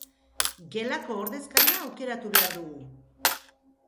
Gelako ordezkaria aukeratu behar dugu.